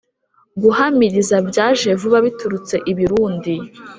guhamiriza byaje vuba biturutse i burundi.